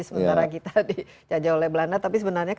sementara kita dijajah oleh belanda tapi sebenarnya